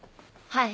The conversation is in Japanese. はい。